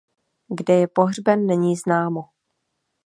Kde je pohřben není známo.